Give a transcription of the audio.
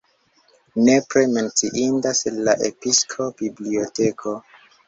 Nepre menciindas la episkopa biblioteko.